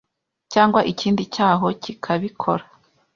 cyangwa ikindi cyaho kikabikora